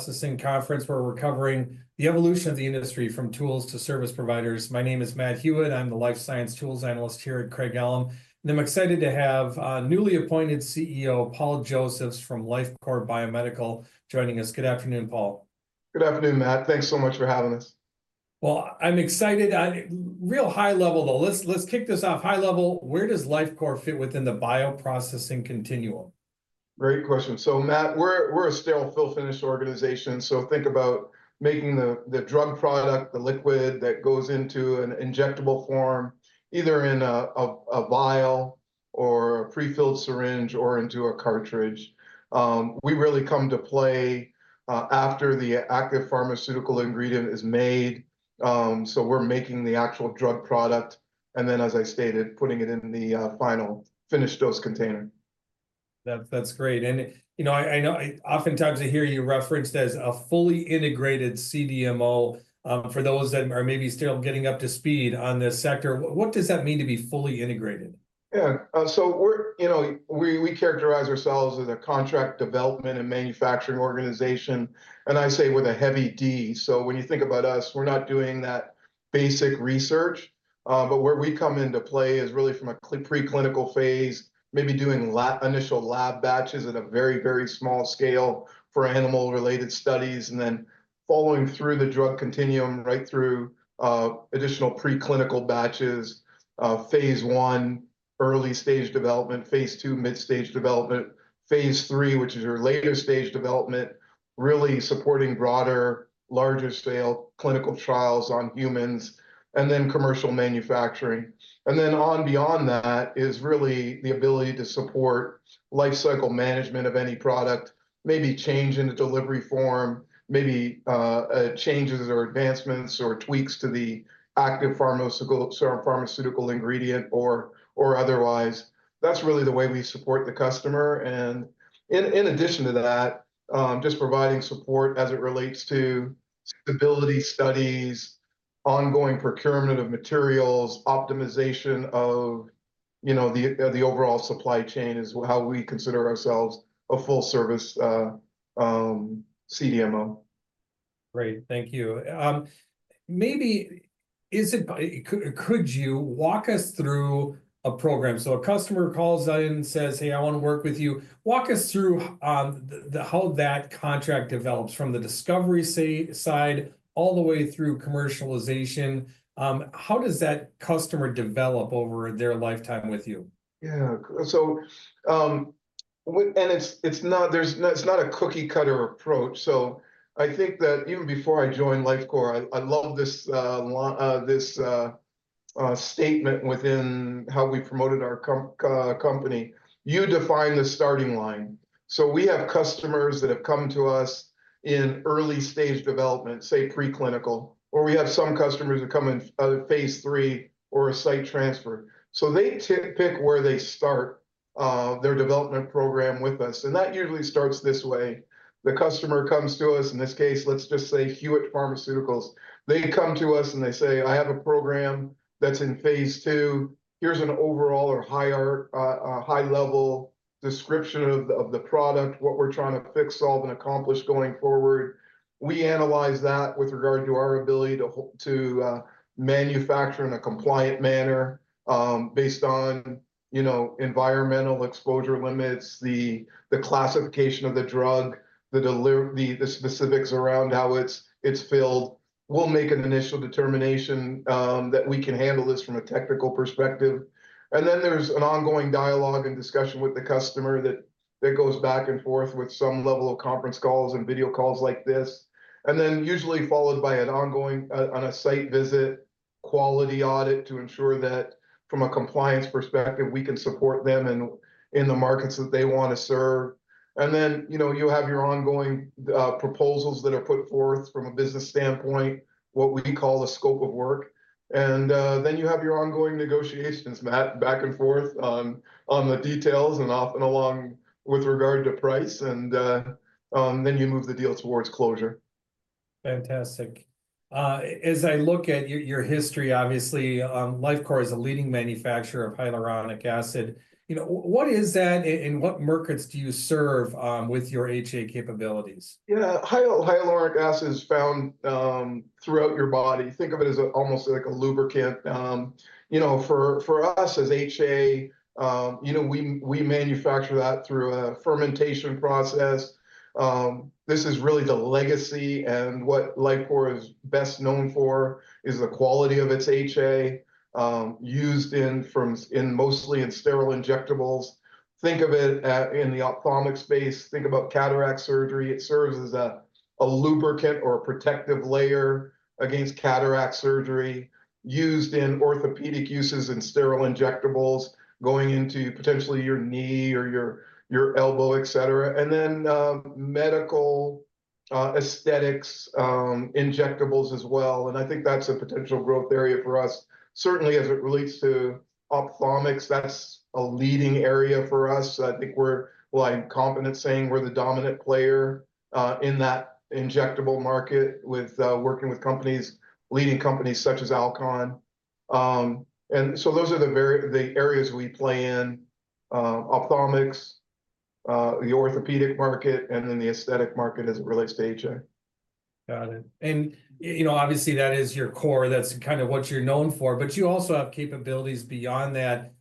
Bioprocessing conference, where we're covering the evolution of the industry from tools to service providers. My name is Matt Hewitt. I'm the life science tools analyst here at Craig-Hallum, and I'm excited to have newly appointed CEO Paul Josephs from Lifecore Biomedical joining us. Good afternoon, Paul. Good afternoon, Matt. Thanks so much for having us. I'm excited. At a real high level, though, let's kick this off high level. Where does Lifecore fit within the bioprocessing continuum? Great question. So Matt, we're a sterile fill finish organization, so think about making the drug product, the liquid that goes into an injectable form, either in a vial or a pre-filled syringe or into a cartridge. We really come to play after the active pharmaceutical ingredient is made. So we're making the actual drug product and then, as I stated, putting it into the final finished dose container. That's great. And, you know, I know, oftentimes I hear you referenced as a fully integrated CDMO. For those that are maybe still getting up to speed on this sector, what does that mean to be fully integrated? Yeah. So we're... You know, we characterize ourselves as a contract development and manufacturing organization, and I say with a heavy D. So when you think about us, we're not doing that basic research, but where we come into play is really from a preclinical phase, maybe doing initial lab batches at a very, very small scale for animal-related studies, and then following through the drug continuum, right through, additional preclinical batches, phase one, early stage development, phase two, midstage development, phase three, which is your later stage development, really supporting broader, larger-scale clinical trials on humans, and then commercial manufacturing. and then on beyond that is really the ability to support life cycle management of any product, maybe change in the delivery form, maybe a changes or advancements or tweaks to the active pharmaceutical, sorry, pharmaceutical ingredient or otherwise. That's really the way we support the customer, and in addition to that, just providing support as it relates to stability studies, ongoing procurement of materials, optimization of, you know, the overall supply chain, is how we consider ourselves a full service CDMO. Great, thank you. Maybe could you walk us through a program? So a customer calls in and says, "Hey, I wanna work with you." Walk us through how that contract develops from the discovery stage side, all the way through commercialization. How does that customer develop over their lifetime with you? Yeah, so, and it's not a cookie cutter approach, so I think that even before I joined Lifecore, I love this statement within how we promoted our company: "You define the starting line." So we have customers that have come to us in early stage development, say, preclinical, or we have some customers that come in phase three or a site transfer. So they pick where they start their development program with us, and that usually starts this way. The customer comes to us, in this case, let's just say Hewitt Pharmaceuticals. They come to us and they say, "I have a program that's in phase two. Here's an overall or higher, a high-level description of the product, what we're trying to fix, solve, and accomplish going forward. We analyze that with regard to our ability to manufacture in a compliant manner, based on, you know, environmental exposure limits, the classification of the drug, the specifics around how it's filled. We'll make an initial determination that we can handle this from a technical perspective. And then there's an ongoing dialogue and discussion with the customer that goes back and forth with some level of conference calls and video calls like this, and then usually followed by an ongoing site visit, quality audit to ensure that from a compliance perspective, we can support them in the markets that they wanna serve. And then, you know, you have your ongoing proposals that are put forth from a business standpoint, what we call the scope of work. And, then you have your ongoing negotiations, Matt, back and forth, on the details and off and on along with regard to price, and, then you move the deal towards closure. Fantastic. As I look at your history, obviously, Lifecore is a leading manufacturer of hyaluronic acid. You know, what is that, and what markets do you serve with your HA capabilities? You know, hyaluronic acid is found throughout your body. Think of it as almost like a lubricant. You know, for us as HA, you know, we manufacture that through a fermentation process. This is really the legacy, and what Lifecore is best known for is the quality of its HA used mostly in sterile injectables. Think of it in the ophthalmic space, think about cataract surgery. It serves as a lubricant or a protective layer against cataract surgery, used in orthopedic uses and sterile injectables, going into potentially your knee or your elbow, et cetera. And then, medical aesthetics injectables as well, and I think that's a potential growth area for us. Certainly, as it relates to ophthalmics, that's a leading area for us. I think we're well, I'm confident saying we're the dominant player in that injectable market working with leading companies such as Alcon, and so those are the very areas we play in: ophthalmics, the orthopedic market, and then the aesthetic market as it relates to HA. Got it. And, you know, obviously, that is your core, that's kind of what you're known for, but you also have capabilities beyond that.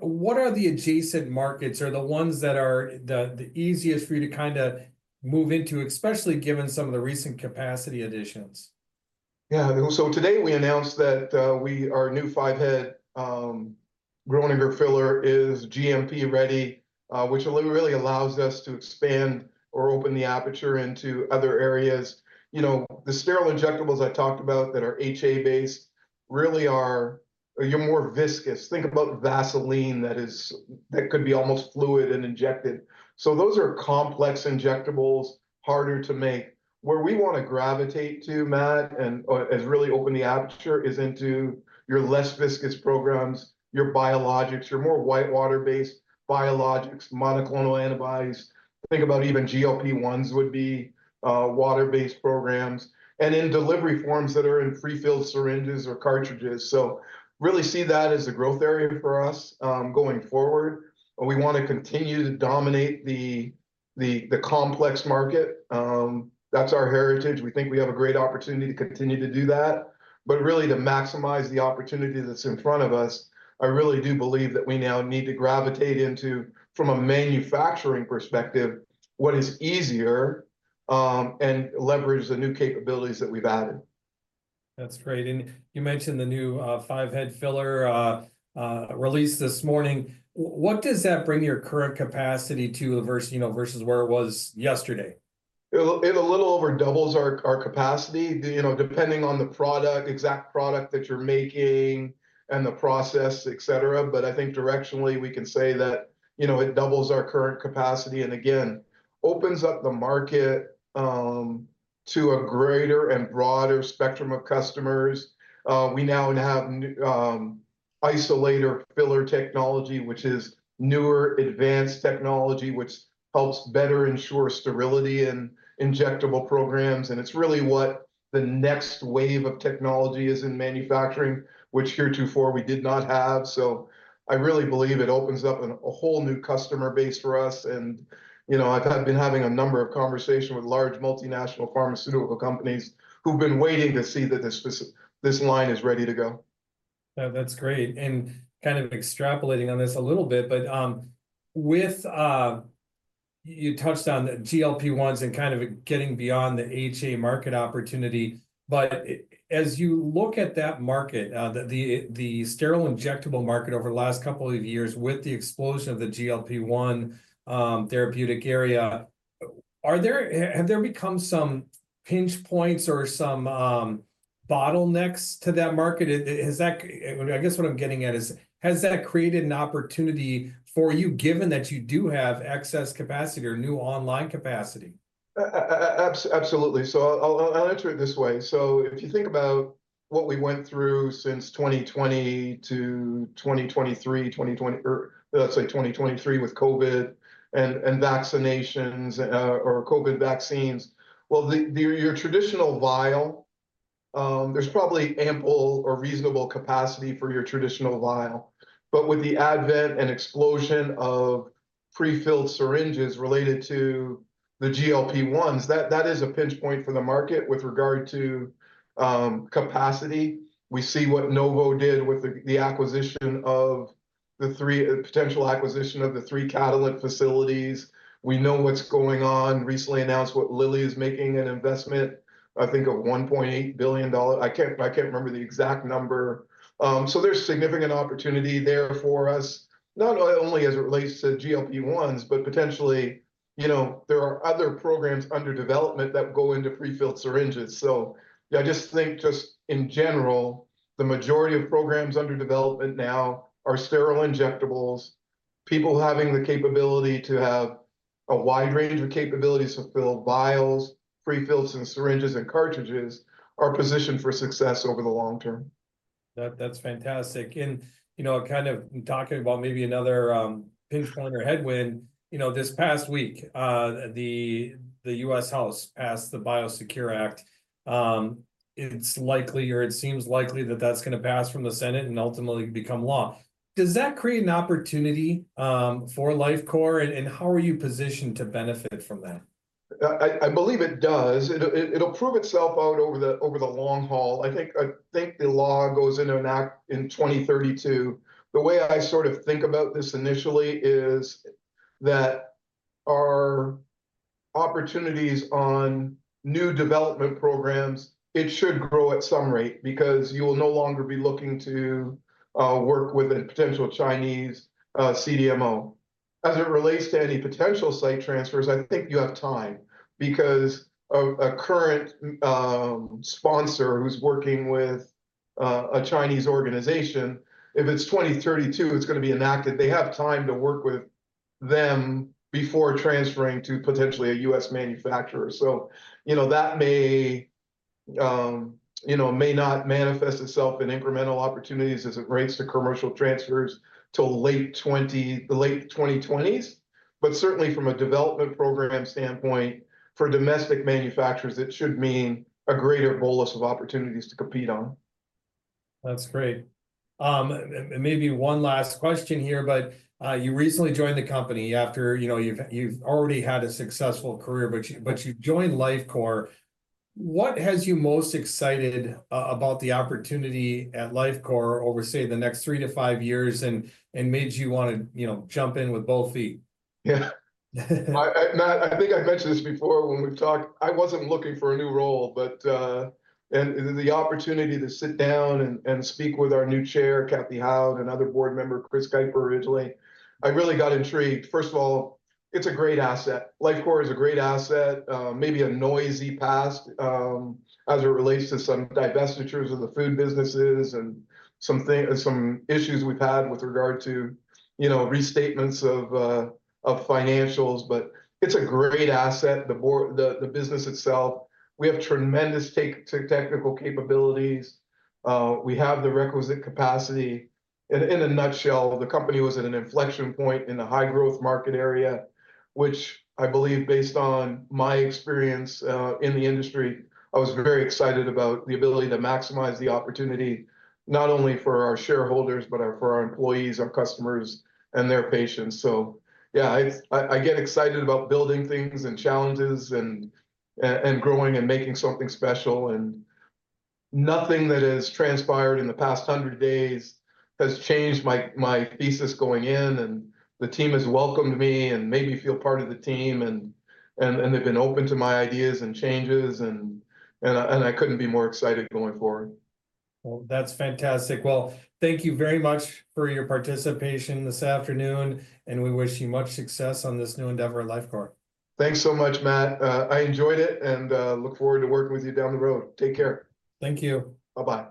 What are the adjacent markets or the ones that are the, the easiest for you to kind of move into, especially given some of the recent capacity additions? Yeah, so today we announced that our new five-head Groninger filler is GMP-ready, which really, really allows us to expand or open the aperture into other areas. You know, the sterile injectables I talked about that are HA-based really are your more viscous. Think about Vaseline that could be almost fluid and injected. So those are complex injectables, harder to make. Where we wanna gravitate to, Matt, and as really open the aperture, is into your less viscous programs, your biologics, your more white water-based biologics, monoclonal antibodies. Think about even GLP-1s would be water-based programs, and in delivery forms that are in pre-filled syringes or cartridges. So really see that as a growth area for us going forward, but we wanna continue to dominate the complex market. That's our heritage. We think we have a great opportunity to continue to do that, but really to maximize the opportunity that's in front of us, I really do believe that we now need to gravitate into, from a manufacturing perspective, what is easier, and leverage the new capabilities that we've added. That's great. And you mentioned the new five-head filler released this morning. What does that bring your current capacity to versus, you know, versus where it was yesterday? It's a little over doubles our capacity, you know, depending on the product, exact product that you're making and the process, et cetera, but I think directionally we can say that, you know, it doubles our current capacity, and again, opens up the market to a greater and broader spectrum of customers. We now have isolator filler technology, which is newer, advanced technology, which helps better ensure sterility in injectable programs, and it's really what the next wave of technology is in manufacturing, which heretofore we did not have, so I really believe it opens up a whole new customer base for us, and, you know, I've been having a number of conversation with large multinational pharmaceutical companies who've been waiting to see that this line is ready to go. That's great, and kind of extrapolating on this a little bit, but, with... You touched on the GLP-1s and kind of getting beyond the HA market opportunity, but as you look at that market, the sterile injectable market over the last couple of years with the explosion of the GLP-1 therapeutic area, are there have become some pinch points or some bottlenecks to that market? Is that, I guess what I'm getting at is, has that created an opportunity for you, given that you do have excess capacity or new online capacity? Absolutely. So I'll answer it this way. So if you think about what we went through since 2020 to 2023, or let's say 2023 with Covid and vaccinations or Covid vaccines, well, the traditional vial, there's probably ample or reasonable capacity for your traditional vial. But with the advent and explosion of pre-filled syringes related to the GLP-1s, that is a pinch point for the market with regard to capacity. We see what Novo did with a potential acquisition of the three Catalent facilities. We know what's going on, recently announced what Lilly is making an investment, I think of $1.8 billion. I can't remember the exact number. So there's significant opportunity there for us, not only as it relates to GLP-1s, but potentially, you know, there are other programs under development that go into pre-filled syringes. So, yeah, I just think just in general, the majority of programs under development now are sterile injectables. People having the capability to have a wide range of capabilities to fill vials, pre-fills, and syringes and cartridges are positioned for success over the long term. That, that's fantastic. And, you know, kind of talking about maybe another pinch point or headwind, you know, this past week, the U.S. House passed the BIOSECURE Act. It's likely, or it seems likely that that's gonna pass from the Senate and ultimately become law. Does that create an opportunity for Lifecore, and how are you positioned to benefit from that? I believe it does. It'll prove itself out over the long haul. I think the law goes into an act in 2032. The way I sort of think about this initially is that our opportunities on new development programs, it should grow at some rate because you will no longer be looking to work with a potential Chinese CDMO. As it relates to any potential site transfers, I think you have time, because a current sponsor who's working with a Chinese organization, if it's 2032, it's gonna be enacted, they have time to work with them before transferring to potentially a U.S. manufacturer. So, you know, that may, you know, may not manifest itself in incremental opportunities as it relates to commercial transfers till late 20, the late 2020s. But certainly from a development program standpoint, for domestic manufacturers, it should mean a greater bolus of opportunities to compete on. That's great. And maybe one last question here, but you recently joined the company after, you know, you've already had a successful career, but you joined Lifecore. What has you most excited about the opportunity at Lifecore over, say, the next three to five years and made you wanna, you know, jump in with both feet? Yeah. Matt, I think I mentioned this before when we've talked, I wasn't looking for a new role, but then the opportunity to sit down and speak with our new Chair, Kate Howe, and other board member, Chris Kiper, originally, I really got intrigued. First of all, it's a great asset. Lifecore is a great asset, maybe a noisy past, as it relates to some divestitures of the food businesses and some issues we've had with regard to, you know, restatements of financials, but it's a great asset, the business itself. We have tremendous technical capabilities. We have the requisite capacity. In a nutshell, the company was at an inflection point in a high-growth market area, which I believe, based on my experience in the industry, I was very excited about the ability to maximize the opportunity, not only for our shareholders, but for our employees, our customers, and their patients, so yeah, I get excited about building things and challenges and growing and making something special, and nothing that has transpired in the past 100 days has changed my thesis going in, and the team has welcomed me and made me feel part of the team, and they've been open to my ideas and changes, and I couldn't be more excited going forward. That's fantastic. Thank you very much for your participation this afternoon, and we wish you much success on this new endeavor at Lifecore. Thanks so much, Matt. I enjoyed it, and look forward to working with you down the road. Take care. Thank you. Bye-bye.